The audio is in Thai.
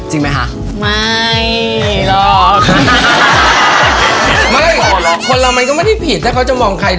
เหมือนมันก็ไม่ได้รีบไง